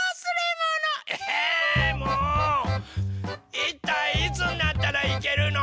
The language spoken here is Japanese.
いったいいつになったらいけるの？